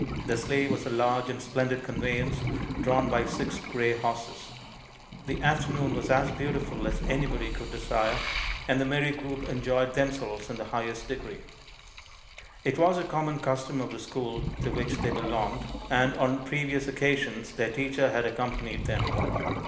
The sleigh was a large and splendid conveyance drawn by six gray horses. The afternoon was as beautiful as anybody could desire, and the merry group enjoyed themselves in the highest degree. It was a common custom of the school to which they belonged, and on previous occasions their teacher had accompanied them.